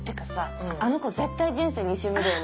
あの子絶対人生２周目だよね。